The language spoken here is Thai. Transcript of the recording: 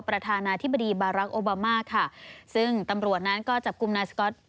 ประธานาธิบดีบารักษ์โอบามาค่ะซึ่งตำรวจนั้นก็จับกลุ่มนายสก๊อต